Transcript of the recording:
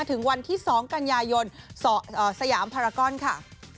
ถึงวันที่๒กันยายนสยามพารากอนค่ะ